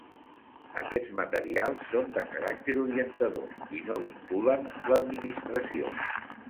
Aquests materials són de caràcter orientador i no vinculen l'Administració.